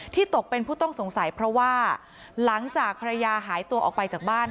ตกเป็นผู้ต้องสงสัยเพราะว่าหลังจากภรรยาหายตัวออกไปจากบ้าน